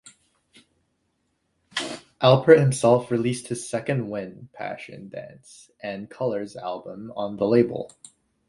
Alpert himself released his "Second Wind", "Passion Dance", and "Colours" albums on the label.